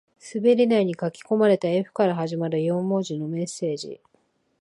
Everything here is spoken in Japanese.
滑り台に書き込まれた Ｆ から始まる四文字のメッセージ